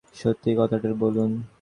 সত্যি কথাটাই বলুন।